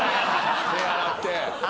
手洗って。